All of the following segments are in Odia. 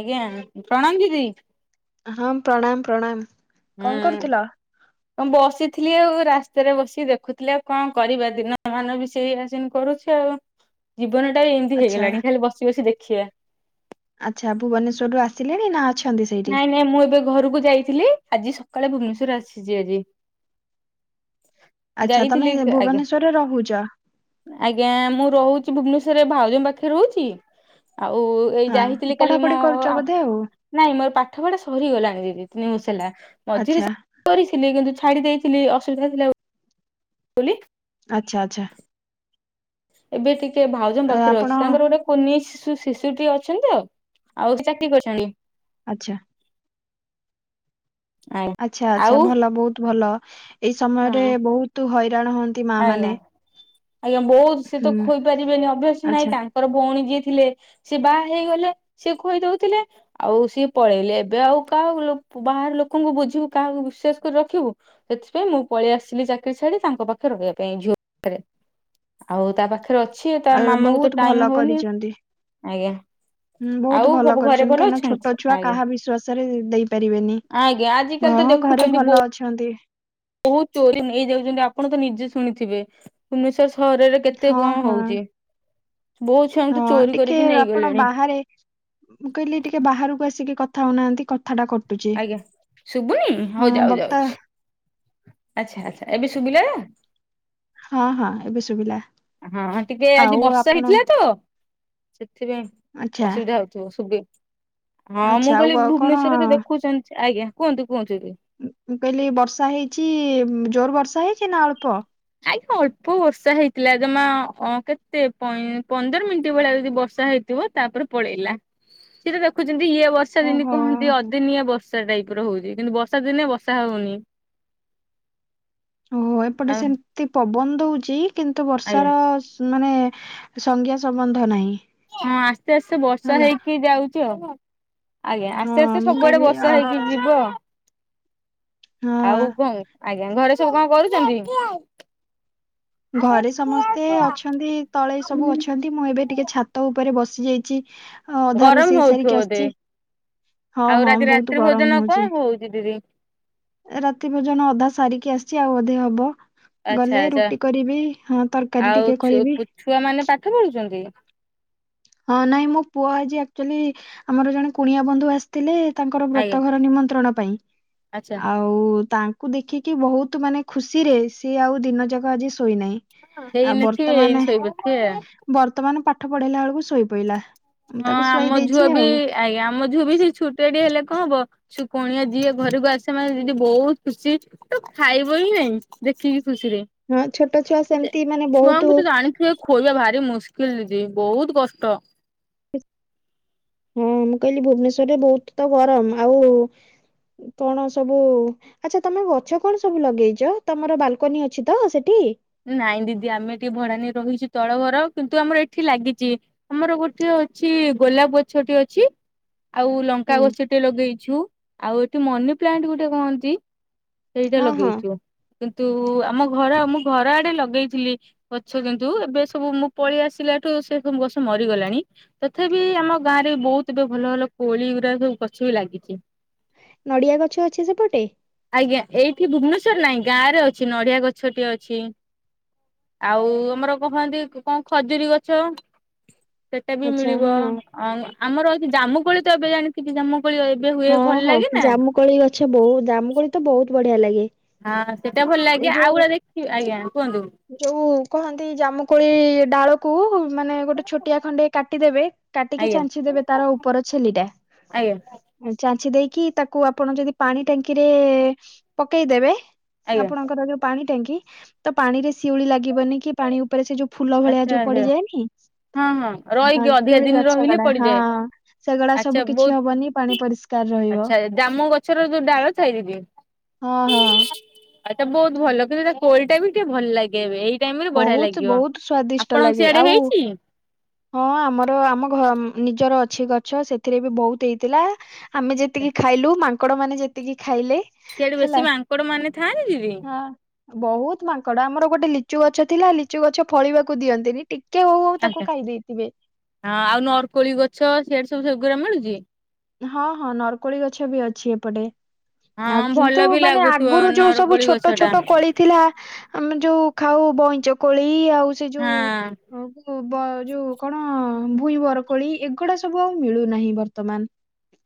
ଆଜ୍ଞା ପ୍ରଣାମ ଦିଦି ହଁ ପ୍ରଣୟାମ ପ୍ରଣୟାମ ହୁଁ ମୁଁ ବସିଥିଲି ଆଉ ରାସ୍ତାରେ ବସିିକ ଦେଖୁଥିଲେି ଆଉ କଣ କରିବା ଦିନ ମାନ ବି ସେଇ ଆସିନ କରୁଛି ଆଉ ଜୀବନଟା ବି ଏମିତି ଆଚ୍ଛା ହେଇଗଲାଣି ଖାଲି ବସି ବସି ଦେଖିବା ଆଚ୍ଛା ଭୁବନେଶ୍ୱର ରୁ ଆସିଲଣି ନା ଅଛନ୍ତି ସେଇଠି? ନାଇଁ ନାଇଁ ମୁଁ ଏବେ ଘରକୁ ଯାଇଥିଲି ଆଜି ସକାଳେ ଭୁବନେଶ୍ଵର ଆସିଛି ଆଜି ଆଚ୍ଛା ତମେ ଯାଇଥିଲି ଆଜ୍ଞା ଭୁବନେଶ୍ଵରେ ରହୁଛ ଆଜ୍ଞା ମୁଁ ରହୁଛି ଭୁବନେଶ୍ଵରରେ ଭାଉଜଙ୍କ ପାଖରେ ରହୁଛି ଆଉ ଏଇ ହଁ ଯାଇଥିଲି କାଲି ପଢାପଢି ମୋ କରୁଛ ବୋଧେ ଆଉ ନାଇଁ ମୋର ପାଠପଢା ସରିଗଲାଣି ଦିଦି ତିି ହେଲା ମଝିରେ ଆଚ୍ଛା କରିଥିଲି କିନ୍ତୁ ଛାଡ଼ି ଦେଇେଇଥିଲି ଅସୁବିଧା ଥିଲା କ ଆଚ୍ଛା ଆଚ୍ଛା ଏବେ ଟିକେ ଭାଉଜନ ଏ ପାଖରେ ଆପଣ ଅଛି ତାଙ୍କର ଗୋଟେ କୁନି ଶି ଶିଶୁ ଟି ଅଛି ତ ଆଉ ଚାକିରି କରିଚନ୍ତି। ଆଚ୍ଛା। ଆଜ୍ଞା ଆଛା ଆଛା ଆଉ ଭଲ ବହୁତ ଭଲ ଏଇ ହଁ ସମୟରେ ବହୁତ ହଇରାଣ ହୁଅନ୍ତି ମା ଆଜ୍ଞା। ମାନେ। ଆଜ୍ଞା ବହୁତ ସେ ତ ହୁଁ ଖୋଇପାରିବେନି ଅଭ୍ୟାସ ନାଇଁ ଆଚ୍ଛା। ତାଙ୍କର ଭଉଣୀ ଯିଏ ଥିଲେ ସିଏ ବାହା ହେଇଗଲେ ସେ ଖୋଇଦଉଥିଲେ। ଆଉ ସିଏ ପଳେଇଲେ ଏବେ ଆଉ କାହା ବାହାର ଲୋକଙ୍କୁ ବୁଝିବୁ କାହାକୁ ବିଶ୍ଵାସକରି ରଖିବୁ। ସେଥିପାଇଁ ମୁଁ ପଳେଇ ଆସିଲି ଚାକିରି ଛାଡି ତାଙ୍କ ପାଖରେ ରହିବା ପାଇଁ ଝିଅ ପାଖରେ ଆଉ ତା ପାଖରେ। ଅଛି ତା ଆଉ ମାମାଙ୍କୁ ବହୁତ ତ ଭଲ ଟାଇମ ହଉନି କରିଛନ୍ତି। ଆଜ୍ଞା। ହୁଁ ଆଉ ବହୁତ ଭଲ ସବୁ ଘରେ କରିଚନ୍ତି କାହିଁକିନା ଅଛନ୍ତି ଛୋଟ ଛୁଆ ଆଜ୍ଞା। କାହା ବିଶ୍ଵାସ ରେ ଦେଇ ପାରିବେନି। ଆଜ୍ଞା ଆଜିକାଲି ତ ଦେଖୁଚନ୍ତି ବୋ ହନ୍ତି। ବହୁତ ଚୋରି ନେଇଯାଉଚନ୍ତି ଆପଣ ତ ନିଜେ ଶୁଣିଥିବେ ଭୁବନେଶ୍ୱର ସହରରେ କେତେ ହଁ କଣ ହଁ ହୋ। ଉଚି ହଁ ଟିକେ ଆପଣ ନେଇଗଲେଣି ବାହାରେ ମୁଁ କଇଲି ଟିକେ ବାହାରକୁ ଆସିକି କଥା ହଉନାହାନ୍ତି। ଟା କଟୁଛି ଆଜ୍ଞା ଶୁବୁନି ହଉ ହଁ ଯାଉ ଯାଉ ବକ୍ତା ଛି। ଆଚ୍ଛା ଆଚ୍ଛା ଏବେ ସୁୁବିଲା। ହଁ ହଁ ଏବେ ଶୁବିଲା। ହଁ ଟିକେ ଆଜି ବର୍ଷା ହେଇଥିଲା ତ ସେଥିପାଇଁ ଆଚ୍ଛା ଅସୁବିଧା ହଉଚି। ହଁ ଆଚ୍ଛା ମୁଁ ଆଉ କଇଲିି ଆଉ କଣ ଭୁବନେଶ୍ୱରରେ ତ ଦେଖୁଚନ୍ତି ଆଜ୍ଞା କୁହନ୍ତୁ କୁହନ୍ତୁ ଏବେ। ମୁଁ କଇଲି ବର୍ଷା ହେଇଚି ଜୋର ବର୍ଷା ହେଇଚି ନା ଅଳ୍ପ। [unintelligible] ଅଳ୍ପ ବର୍ଷା ହେଇଥିଲା ଜମା ଅଁ କେତେ ପଇଁ ପନ୍ଦର ମିନିଟ ଭଳିଆ ଯଦି ବର୍ଷା ହେଇଥିବ। ତାପରେ ପଳେଇଲା ସିଏତ ଦେଖୁଚନ୍ତି ଇଏ ବର୍ଷା ଦିନେ ଓହୋ କହନ୍ତି ଅଦିନିଆ ବର୍ଷା। [unintelligible] ଟାଇପ ର ହଉଚି କିନ୍ତୁ ବର୍ଷା ଦିନେ ବର୍ଷା ହଉନି। ଓହୋ ଏପଟେ ଆଉ ସେମିତି ପବନ ଦୋଉଚି କିନ୍ତୁ ଆଜ୍ଞା ବର୍ଷାର ମାନେ ସଂଜ୍ଞା ସମ୍ବନ୍ଧ ନାହିଁ। ହଁ ଆସ୍ତେ ଆସ୍ତେ ବର୍ଷା ହେଲା ହେଇକି ଯାଉଚି ଆଉ। ଆଜ୍ଞା ହଁ ଆସ୍ତେ ଆସ୍ତେ ମୁଁ ସବୁଆଡେ କହିଲି ବର୍ଷା ଆଉ ହେଇକି ଯିବ। ହଁ ଆଉ କଣ ଆଜ୍ଞା ଘରେ ସବୁ କଣ କରୁଚନ୍ତି। ଘରେ ସମସ୍ତେ ଅଛନ୍ତି ତଳେ ସବୁ ଅଛନ୍ତି। ମୁଁ ଏବେ ଟିକେ ଛାତ ଉପରେ ବସି ଯାଇଚି। ଗରମ ହଉଥିବ ବୋଧେ ହଁ ଆଉ ହଁ ବହୁତ ରାତ୍ରି ଗରମ ଭୋଜନ ହଉଛି କଣ ହୋଉଚି ଦିଦି। ରାତି ଭୋଜନ ଅଧା ସାରିକି ଆସିଚି ଆଉ ଅଧେ ହବ। ଆଚ୍ଛା ଗଲେ ଆଚ୍ଛା ରୁଟି କରିବି ହଁ ତରକାରୀ ଆଉ ଟିକେ ଛୁ କରିବି। ଛୁଆ ମାନେ ପାଠ ପଢୁଚନ୍ତି। ହଁ ନାଇଁ ମୋ ପୁଅ ଆଜି ଆକ୍ଚୁଆଲି ଆମର ଜଣେ କୁଣିଆ ବନ୍ଧୁ ଆସି ଥିଲେ ତାଙ୍କର ଆଜ୍ଞା ବ୍ରତ ଘର ନିମନ୍ତ୍ରଣ ପାଇଁ ଆଚ୍ଛା ଆଉ ତା କୁ ଦେଖିକି ବହୁତ ମାନେ ଖୁସି ରେ ସିଏ ଆଉ ଦିନ ଯାକ ଆଜି ଶୋଇନାହିଁ। ଆଉ ହେଇନଥିବେ ଏଇ ବର୍ତ୍ତମାନ ବି ଶୋଇପାରୁଥିବେ ଆଉ। ବର୍ତ୍ତମାନ ପାଠ ପଢେଇଲା ବେଳକୁ ଶୋଇ ପଡିଲା। ହଁ ଆମ ଝୁଅ ବି ଆଜ୍ଞା ଆମ ଝୁଅ ବି ସେଇ ଛୁଟିଆଟେ ହେଲେ କଣ ହବ [unintelligible] କଣିଆ ଯିଏ ଘରକୁ ଆସେ ମାନେ ଯଦି ବୋହୁତ ଖୁସି ତ ଖାଇବ ହିଁ ନାଇଁ ଦେଖିକି ଖୁସିରେ। ହଁ ଛୋଟ ଛୁଆ ସେମତି ମାନେ ଛୁଆଙ୍କୁ ବହୁତ ତ ଜାଣିଥିବେ ଖୋଇବା ଭାରି ମୁସ୍କିଲ ଦିଦି ବହୁତ କଷ୍ଟ। ହଁ ମୁଁ କହିଲି ଭୁବନେଶ୍ଵରରେ ବହୁତ ତ ଗରମ ଆଉ କଣ ସବୁ ଆଚ୍ଛା ତମେ ଗଛ କଣ ସବୁ ଲଗେଇଚ ତମର ବାଲକୋନି ଅଛି ତ ସେଠି। ନାଇଁ ଦିଦି ଆମେ ଏଠି ଭଡା ନେଇ ରହିଚୁ ତଳ ଘର କିନ୍ତୁ ଆମର ଏଠି ଲାଗିଚି। ଆମର ଗୋଟିଏ ଅଛି ଗୋଲାପ ଗଛଟି ଅଛି। ଆଉ ଲଙ୍କା ହୁଁ ଗଛଟେ ଲଗେଇଚୁ ଆଉ ଏଠି ମନି ପ୍ଲାଣ୍ଟ ଗୋଟେ କହନ୍ତି। ସେଇଟା ହଁ ହଁ ଲଗେଇଚୁ କିନ୍ତୁ ଆମ ଘରେ ଆମ ଘର ଆଡେ ଲଗେଇଥିଲି ଗଛ କିନ୍ତୁ ଏବେ ସବୁ ମୁଁ ପଳେଇ ଆସିଲାଠୁ ସେ ସବୁ ଗଛ ମରିଗଲାଣି। ତଥାପି ଆମ ଗାଁରେ ବୋହୁତ ଏବେ ଭଲ ଭଲ କୋଳିଉରା ସବୁ ଗଛ ବି ଲାଗିଚି। ନଡ଼ିଆ ଗଛ ଅଛି ସେପଟେ? ଆଜ୍ଞା ଏଇଠି ଭୁବନେଶ୍ଵର ନାଇଁ ଗାଁରେ ଅଛି ନଡିଆ ଗଛଟେ ଅ ଛି ଆଉ ଆମର କୁହାନ୍ତି କ-କଣ ଖଜିରୀ ଗଛ ସେଟା ବି ଆଚ୍ଛା ମିଳିବ ହଁ ଆମ ଆମର ଅଛି ଜାମୁକୋଳି ତ ଏବେ ଜାଣିଥିବେ ଜାମୁ କୋଳି ଅ ଏବେ ହୁଏ ଭଲ ଲାଗେ ନା? ଛେ ବୋହୁତ ଜାମୁକୋଳି ତ ବୋହୁତ ବଢିଆ ଲାଗେ। ହଁ ସେଇଟା ଭଲ ଏ ଲାଗେ ଆଉ ଯୋଉ ଗୁଡା ଦେଖିବେ ଆଜ୍ଞା କୁହନ୍ତୁ। ଯୋଉ କହନ୍ତି ଜାମୁକୋଳି ଡାଳକୁ ମାନେ ଗୋଟେ ଛୋଟିଆ ଖଣ୍ଡେ କାଟିଦେବେ କାଟିକି ଆଜ୍ଞା ଚାଞ୍ଚିଦେବେ ତାର ଉପର ଛେଲିଟା। ଆଜ୍ଞା ଏ ଚାଞ୍ଛି ଦେଇକି ତାକୁ ଆପଣ ଯଦି ପାଣି ଟାଙ୍କିରେ ପକେଇଦବେ ଆଜ୍ଞା ଆପଣଙ୍କର ଯୋଉ ପାଣି ଟାଙ୍କି ତ ପାଣିରେ ଶିଉଳି ଲାଗିବନି କି ପାଣି ଉପରେ ସେଇ ଯୋଉ ଫୁଲ ଭଳିଆ ଯୋଉ ଆଚ୍ଛା ଆଚ୍ଛା। ପଡ଼ିଯାଏନି। ହଁ ହଁ ହଁ ରହିକି ଅଧିକା ସିଉଳି ଦିନ ଗଛ ରହିଲେ ଗୁଡ଼ା ହଁ ପଡିଯାଏ ସେଗୁଡ଼ା ଆଚ୍ଛା ସବୁ କିଛି ବହୁତ ହବନି ପାଣି ପରିଷ ଆଚ୍ଛା ଜାମୁ ଗଛର ଯୋଉ ଡାଳ ଥାଏ ଦିଦି। ହଁ ହଁ। ଆଉ ଏଟା ବୋହୁତ ଭଲ କିନ୍ତୁ ଏଟା କୋଳିଟା ବି ଟିକେ ଭଲ ଲାଗେ ଏବେ ଏଇ ଟାଇମରେ ବଢିଆ ବହୁତ ଲାଗିବ ବହୁତ ସ୍ଵାଦିଷ୍ଟ ଆପଣଙ୍କ ଲାଗେ ସିଆଡେ ଆଉ ହେଇଚି? ହଁ ଆମର ଆମ ଘ ନିଜର ଅଛି ଗଛ ସେଥିରେ ବି ବୋହୁତ ହେଇଥିଲା। ଆମେ ଆଚ୍ଛା ଯେତିକି ଖାଇଲୁ ମାଙ୍କଡ଼ମାନେ ଯେତିକି ଖାଇଲେ। ସିଆଡେ ବେଶୀ ମାଙ୍କଡମାନେ ଥାଆନ୍ତି ଦିଦି। ବୋହୁତ ମାଙ୍କଡ ଆମର ଗୋଟେ ଲିଚୁ ଗଛ ଥିଲା ଲିଚୁ ଗଛ ଫଳିବାକୁ ଦିଅନ୍ତିନି ଟି କେ ହୋଉ ହୋଉ ଆଚ୍ଛା। ତାକୁ ଖାଇ ଦେଇଥିବେ। ହଁ ଆଉ ନର୍କୋଳି ଗଛ ସିଆଡ଼େ ସବୁ ସେଗୁରା ମିଳୁଚି। ହଁ ହଁ ନର୍କୋଳି ଗଛ ବି ଅଛି ଏପଟେ। ଆଉ ହଁ ଭଲ କିନ୍ତୁ ବି ମାନେ ଲାଗୁଥିବ ଆଗୁରୁ ଯୋଉ ସବୁ ନରକୋଳି ଗଛ ଛୋଟ ଟା ଛୋଟ ହଁ। କୋଳି ଥିଲା ଆମେ ଯୋଉ ଖାଉ ବଇଁଚ କୋଳି ଆଉ ସେ ଯୋଉ ଅଉ ଉ ବ ଯୋଉ କଣ ଭୂଇଁ ବରକୋଳି ଏଗୁଡ଼ା ସବୁ ଆଉ ମିଳୁନାହିଁ ବର୍ତ୍ତମାନ।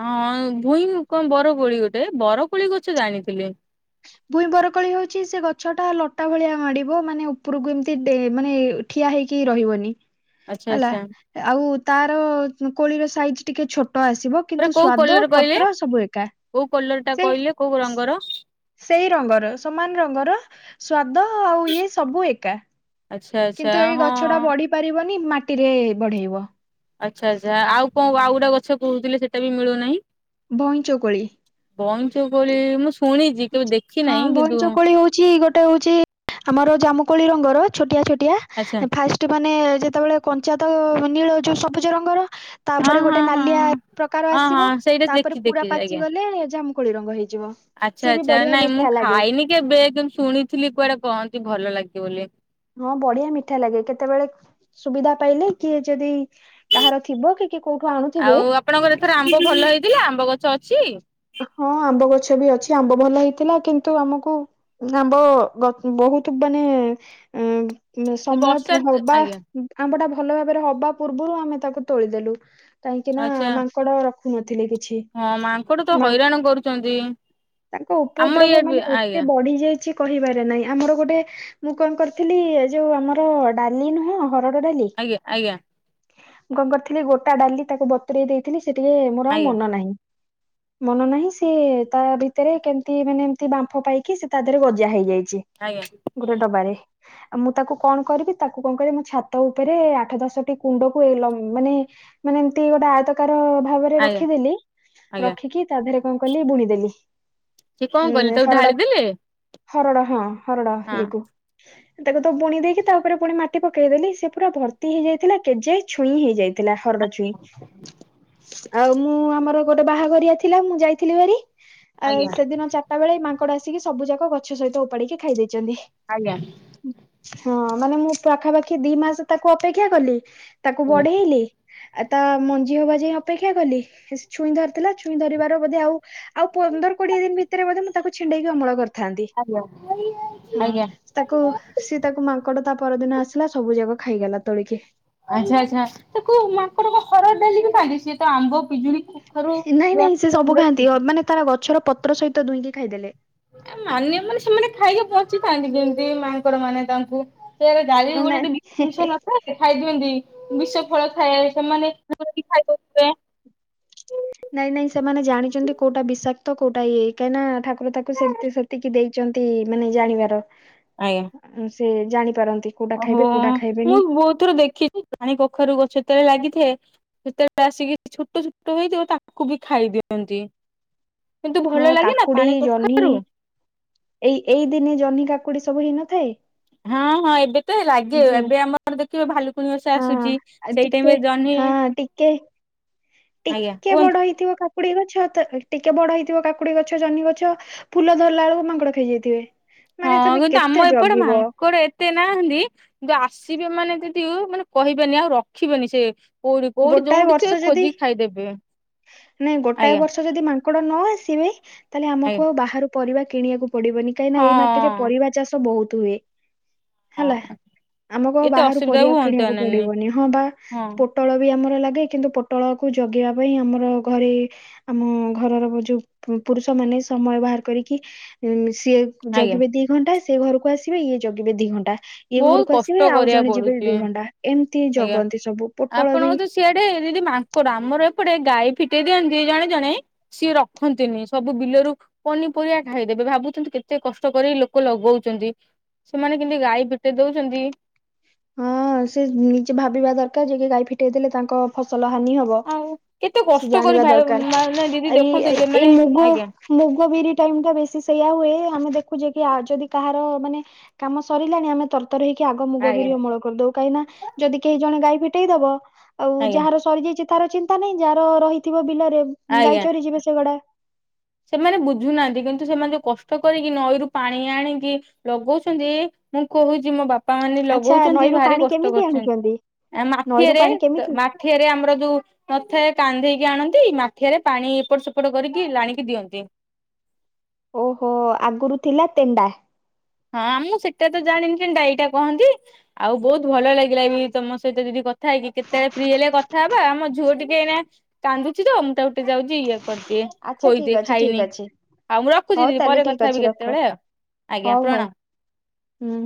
ହଁ ଭୂଇଁ କଣ ବରକୋଳି ଗୋଟେ ବରକୋଳି ଗଛ ଜାଣିଥିଲି। ଭୂଇଁ ବରକୋଳି ହୋଉଛି ସେ ଗଛଟା ଲଟା ଭଳିଆ ମାଡ଼ିବ ମାନେ ଉପରକୁ ଏମିତି ଡେ ମାନେ ଠିଆ ହେଇକି ରହିବନି। ଆଚ୍ଛା ହେଲା ଆଚ୍ଛା ଏ ଆଉ ତାର ଉଁ କୋଳିର ସାଇଜ ଟିକେ ଛୋଟ ଆସିବ। ହେରା କିନ୍ତୁ କୋଉ ସ୍ଵାଦ କଲର କହିଲେ ପତ୍ର ସବୁ ଏକା। କୋଉ କଲରଟା କହିଲେ କୋଉ ସେଇ ରଙ୍ଗର? ସେଇ ରଙ୍ଗର ସମାନ ରଙ୍ଗର ସ୍ଵାଦ ଆଉ ଇଏ ସବୁ ଏକା ଆଚ୍ଛା ଆଚ୍ଛା କିନ୍ତୁ ଏଇ ହଁ ଗଛଟା ବଢିପାରିବନି ମାଟିରେ ବଢେଇବ। ଆଚ୍ଛା ଆଚ୍ଛା ଆଉ କଣ ଆଉ ଗୋଟେ ଗଛ କୋହୁଥିଲେ ସେଟା ବି ମିଳୁନାହିଁ। କଇଁଚ କୋଳି। ବଇଞ୍ଚ କୋଳି ମୁଁ ଶୁ ହଁ ବଇଞ୍ଚ କୋଳି ହୋଉଚି ଗୋଟେ ହୋଉଚି ଆମର ଜାମୁକୋଳି ରଙ୍ଗର ଛୋଟିଆ ଛୋଟିଆ ଆଚ୍ଛା ହେ ଫାଷ୍ଟ ମାନେ ଯେତେବେଳେ କଞ୍ଚା ତ ନୀଳ ଯୋଉ ସବୁଜ ରଙ୍ଗର। ହଁ ତାପରେ ହଁ ଗୋଟେ ହଁ ନାଲିଆ ପ୍ରକାର ହଁ ଆସିବ ହଁ ସେଇଟା ଦେଖି ତାପରେ ପୁରା ଦେଖିଛି ଆଜ୍ଞା। ପାଚିଗଲେ ଜାମୁ କୋଳି ରଙ୍ଗ ହେଇଯିବ। ଆଚ୍ଛା ସିଏ ବି ଆଚ୍ଛା ବଢିଆ ନାଇଁ ମୁଁ ମିଠା ଲାଗେ। ଖାଇନି କେବେ କିନ୍ତୁ ଶୁଣିଥିଲି କୁଆଡେ କହନ୍ତି ଭଲ ଲାଗେ ବୋଲି। ହଁ ବଢିଆ ମିଠା ଲାଗେ କେତେବେଳେ ସୁବିଧା ପାଇଲେ କିଏ ଯଦି କାହାର ଥିବ କି କି କୋଉଠୁ ଆଣୁ ଆଉ ଆପଣଙ୍କର ଏଥର ଆମ୍ବ ଭଲ ହେଇଥିଲା ଆମ୍ବ ଗଛ ଅଛି? ହଁ ଆମ୍ବ ଗଛ ବି ଅଛି ଆମ୍ବ ଭଲ ହେଇଥିଲା କିନ୍ତୁ ଆମକୁ ଆମ୍ବ ଗ ବୋହୁତ ମାନେ ଏଁ ସେ ସମୟ ବର୍ଷାରେ ହବା ଆଜ୍ଞା। ଆମ୍ବ ଟା ଭଲ ଭାବରେ ହବା ପୂର୍ବରୁ ଆମେ ତାକୁ ତୋଳିଦେଲୁ କାହିଁକି ନା ଆଚ୍ଛା ମାଙ୍କଡ ଶଖୁ ନଥିଲେ କିଛି ହଁ ମାଙ୍କଡ ତ ହଇରାଣ କରୁଛନ୍ତି ତାଙ୍କ ଆମ ଉପଦ୍ରବ ଇଆଡେ ବି ମାନେ ଏତେ ଆଜ୍ଞା। ବଢି ଯାଇଛି କିବାରେ ନାାଇଁ ଆମର ଗୋଟେ ମୁଁ କଣ କରିଥିଲି ଏ ଯୋଉ ଆମର ଡାଲି ନୁହଁ ଡା ଆଜ୍ଞା ଆଜ୍ଞା ମୁଁ କଣ କରିଥିଲି ଗୋଟା ଡାଲି ତାକୁ ବ ତ ଦେଇଥିଲି ସେ ଟିକେ ମୋର ଆଉ ଆଜ୍ଞା ମନ ନାହିଁ ମନ ନାହିଁ ସେି ତା ଭିତରେ କେମତି ମାନେ ଏମତି ବାମ୍ଫ ପାଇକି ସେ ତା ଦେହରେ ଗଜା ହେଇଯାଇଛି ଆଜ୍ଞା ଗୋଟେ ଡବାାରେ ମୁଁ ତାକୁ କଣ କରିବି ତାକୁ କଣ କରିବି ମୋ ଛାତ ଉପରେ ଆଠ ଦଶଟି କୁଣ୍ଡକୁ ମାନେ ମାନେ ଏମିତି ଗୋଟେ ଆୟତକାର ଭାବରେ ଆଜ୍ଞା ରଖିଦେଲି ଆଜ୍ଞା ରଖିକି ତା ଦେହରେ କଣ କଲି ବୁଣିଦେଲି ସେ କଣ କଲେ ହୁଁ ତାକୁ ହରଡ଼ା ଢାଳିଦେଲେ? ହରଡ଼ା ହଁ ହରଡ଼ା ହଁ ଏକ [inaudible] ତାକୁ ତ ବୁଣି ଦେଇକି ତା ଉପରେ ପୁଣି ମାଟି ପକେଇଦେଲି ସେ ପୁରା ଭର୍ତ୍ତି ହେଇଯାଇଥିଲା କେଜେଏ ଛୁଇଁ ହେଇଯାଇଥିଲା ଥିଲା ହରଡ ଛୁଇଁ ଆଉ ମୁଁ ଆମର ଗୋଟେ ବାହାଘର ଥିଲା ମୁଁ ଯାଇଥିଲି ଭାର ଆଜ୍ଞା ସେଦିନ ତା ବେ ଏଇ ମାଙ୍କଡ ଆସିକି ସବୁ ଯାକ ଗଛ ସହିତ ଉପାଡିକି ଖାଇ ଦେଇେଇଛନ୍ତି ଆଜ୍ଞା ହଁ ମାନେ ମୁଁ ପାଖାପାଖି ଦି ମାସ ତାକୁ ଅପେକ୍ଷା କଲି ତାକୁ ବଢେଇଲି ଆ ତା ମଞ୍ଜି ହବା ଯାଇ ଅପେକ୍ଷା କଲି ଛୁଇଁ ଧରିଥିଲା ଛ ଧରିବାରୋ ଆଉ ଆଉ ପନ୍ଦର କୋଡିଏ ଦିନ ଭିତରେ ମୁଁ ତାକୁ ଛିଣ୍ଡକି ଅମ କର କରିଥିଲି ଆଜ୍ଞା ଆଜ୍ଞା ତାକୁ ସି ତାକୁ ମାଙ୍କଡ ତା ପରଦିନ ଆସିଲା ସବୁ ଯାକ ଖାଇଗଲା ତୋଳିକି ଆଚ୍ଛା ଆଚ୍ଛା ତାକୁ ମାଙ୍କଡ ହର ଡାଲି ବି ଖାଇଦେ ସି ତ ଆମ୍ବ ପିଜୁଳି କଖାରୁ ନାଇଁ ନାଇଁ ସେ ସବୁ ଖାଆନ୍ତି ମାନେ ତାର ଗଛର ପତ୍ର ସହିତ ଦୁଇଁକି ଖାଇଦେଲେ ମାନେ ମାନେ ସେମାନେ ଖାଇକ ବଞ୍ଚିଥାନ୍ତି ଯେମିତି ମାଙ୍କର ମାନେ ତାଙ୍କୁ ସେ ଗଡାଲି ଗୋଟ ଗୋେ ନାଇଁ ଜଷ ଖାଇଦିଅନ୍ତି ବିଷ ଫଳ ଥାଏ ସେମାନେ ଖାଇିବ ନାଇଁ ନାଇଁ ସେମାନେ ଜାଣିଛନ୍ତି କୋଉଟା ବିଷାକ୍ତ କୋଉଟା ଇଏ କାହିଁକ ନା ଠାର ତାକୁ ସେ ସେତିକି ଦେଇି ଛନ୍ତି ମାନେ ଜାଣିବାର ଆଜ୍ଞା ସେ ଜାଣିପାରନ୍ତି କୋଉଟା ଓହୋ ଖାଇବେ କୋଉଟା ମୁଁ ଖାଇବେନି ବହୁତଥର ଦେଖିଛି ପାଣି କୋଖାରୁ ଗଛତେଳେ ଲାଗିଥାଏ ସେତେବେଳେ ଆସିକି ଛୋଟ ଛୋଟ ହେଇଥିବ ତାକୁ ବି ଖାଇ ଦିଅନ୍ତି କିନ୍ତୁ ହଁ ଭଲ ଲାଗେ ନା କାକୁଡି ପାଣି ଜହ୍ନି କଖାରୁ ଏଇ ଏଇ ଦିନେ ଜହ୍ନି କାକୁଡି ସବୁ ହେଇନଥାଏ ହଁ ହଁ ଏବେ ତ ଲାଗେ ଯେ ଆ ଏବେ ଆମର ଦେଖିବ ଭାଲୁକୁଣି ବସା ହଁ ଆସୁଛି ଆଉ ସେଇ ଟିକେ ଟାଇମରେ ଜହ୍ନି ହଁ ଟିକେ ଆଜ୍ଞା ଟିକେ କୁହନ୍ତୁ। ବଡ ହେଇଥିବ କାକୁଡି ଗ ଛ ତ ଟିକେ ବଡ ହେଇଥିବ କାକୁଡି ଗଛ ଜହ୍ନି ଗଛ ଫୁଲ ଧରିଲା ବେଳକୁ ମାଙ୍କଡ ଖାଇଯାଇଥିବେ ହଁ ମାନେ ତମେ କିନ୍ତୁ କେତେ ଆମ ଏପଟେ ଜଗିବ ମାଙ୍କଡ କେତେ ନାହାନ୍ତି କିନ୍ତୁ ଆସିବେ ମାନେ ଯଦିୁ ମାନେ କହିବେନି ଆଉ ରଖିବେନି ସେ କୋଉଠି କୋଉଠି ଗୋଟାଏ ଯୋଉଠି ସେ ବର୍ଷ ଯଦି ଖୋଜିକି ଖାଇଦେବେ ମାନେ ଗୋଟାଏ ଆଜ୍ଞା ବର୍ଷ ଯଦି ମାଙ୍କଡ ନ ଆସିବେ ତାହେଲେ ଆଜ୍ଞା ଆମକୁ ବାହାର ପରିବା କିଣିବାକୁ ପଡିବନି କାହିଁକି ନା ଏଇ ମାଟିରେ ହଁ। ପରିବା ଚାଷ ବହୁତ ହୁଏ ହେଲା, ହଁ ଆମ କୁ ଆଉ ଏତେ ବାହାରୁ ଅସୁବିଧା ବି ପରିବା କିଣିବାକୁ ହୁଅନ୍ତାନି ପଡ଼ିବନି। ହଁ ବା। ହଁ ପୋଟଳ ବି ଆମର ଲାଗେ, କିନ୍ତୁ ପୋଟଳକୁ ଜଗିବା ପାଇଁ ଆମର ଘରେ ଆମ ଘର ର ଯୋଉ ପୁ-ପୁରୁଷ ମାନେ, ସମୟ ବାହାର କରିକି ସିଏ ଆଜ୍ଞା ଜଗିବେ ଦି ଘଣ୍ଟା। ସେ ଘରକୁ ଆସିବେ, ଇଏ ଜଗିବେ ଦି ଘଣ୍ଟା। ଇଏ ଘର ବହୁତ କୁ କଷ୍ଟ ଆସିବେ, ଆଉ କରିବାକୁ ଜଣେ ଯିବେ ପଡୁଛି ଦି ଘଣ୍ଟା ଏମିତି ଆଜ୍ଞା। ଜଗନ୍ତି ସବୁ। ପୋଟଳ ବି ଆପଣଙ୍କ ତ ସିଆଡେ଼ ଦିଦି ମାଙ୍କଡ଼! ଆମ ର ଏପଟେ ଗାଈ ଫିଟେଇ ଦିଅନ୍ତି ଜଣେ, ଜଣେ ସିଏ ରଖନ୍ତି ନି। ସବୁ ବିଲରୁ ପନି ପରିବା ଖାଇ ଦେବେ। ଭାବୁଛନ୍ତି କେତେ କଷ୍ଟ କରି ଲୋକ ଲଗଉଚନ୍ତି। ସେମାନେ କିନ୍ତି ଗାଈ ପି ତେ ଦଉଚନ୍ତି। ହଁ, ସେ ନିଜେ ଭାବିବା ଦରକାର, ଯେକି ଗାଈ ଫିଟେଇ ଦେଲେ, ତାଙ୍କ ଫସଲ ହାନି ହବ। ବ ଆଉ କେତେ ସେ କଷ୍ଟ କରି ଜାଣିବା ଭାଇ ଦରକାର। ମାନେ ଦିଦି ଦେଖନ୍ତୁ ଏଇ-ଏଇ ସେମାନେ ମୁଗ ଆଜ୍ଞା ମୁଗ, ବିରି ଟାଇମ୍ ଟା ବେଶି ସେୟା ହୁଏ। ଆମେ ଦେଖୁଛେ କି ଯଦି କାହାର ମାନେ କାମ ସରିଲାଣି ଆମେ ତରତର ହେଇ କି ଆଗମ୍ [unintelligible] ଆଜ୍ଞା ଅମଳ କରିଦଉ କାହିଁକି ନା ଯଦି କେହି ଜଣ ଗାଈ ଫିଟେଇ ଦବ ଆଉ ଆଜ୍ଞା ଯାହାର ସରିଯାଇଛି ତାର ଚିନ୍ତା ନାହିଁ ଯାହାର ରହିଥିବ ବିଲରେ ଗାଈ ଆଜ୍ଞା ଚରିଯିବେ ସେଗୁଡା। ସେମାନେ ବୁଝୁନାହାନ୍ତି, କିନ୍ତୁ ସେମାନେ ଯୋଉ କଷ୍ଟ କରିକି ନଈରୁ ପାଣି ଆଣିକି ଲଗଉଛନ୍ତି ମୁଁ କହୁଛି ମୋ ବାପ ବାପା ମାନେ ଆଚ୍ଛା ଲଗଉଛନ୍ତି ନଈରୁ ଭାରି ପାଣି କଷ୍ଟ କେମିତି କରଛନ୍ତି, ଆଣୁଛନ୍ତି ଆ ନଈରୁ ମାଠିଆରେ ପାଣି ମା କେମିତି ମାଠିଆରେ ଆମର ଯୋଉ ନଥାଏ କାନ୍ଧେଇକି ଆଣନ୍ତି ମାଠିଆରେ ପାଣି ଏପଟ ସେପଟ କରିକି ଲାଣି ଦିଅନ୍ତି ଓହୋ ଆଗରୁ ଥିଲା ତେଣ୍ଡା। ହଁ ମୁଁ ସେଟା ତ ଜାଣିନି ଡାଇଟା କହନ୍ତି। ଆଉ ବହୁତ ଭଲ ଲାଗିଲାବି ତମ ସହିତ ଦିଦି କଥା ହେଇକି। କେତେ ବେଳେ ଫ୍ରି ହେଲେ କଥା ହବା? ଆମ ଝୁଅ ଟିକେ ଏଇନା କାନ୍ଦୁଚି ତ! ମୁଁ ତାକୁ ଟିକେ ଯାଉଚି, ଇଏ କରିଦିଏ, ଆଚ୍ଛା ଠିକ ଖୋଇଦିଏ, ଅଛି ଠିକ ଖାଇନି। ଅଛି ଆଉ ମୁଁ ରଖୁଛି ହଉ ଦିଦି, ତାହେଲେ ପରେ ଠିକ କଥା ହେବି ଅଛି କେତେ ରଖ। ବେଳେ ଆଉ। ଆଜ୍ଞା। ହଉ ହଉ ପ୍ରଣା। ହୁଁ